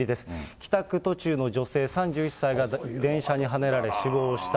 帰宅途中の女性３１歳が電車にはねられ死亡した。